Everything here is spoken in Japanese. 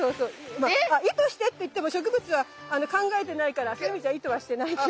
まあ意図してって言っても植物は考えてないからそういう意味じゃ意図はしてないけど。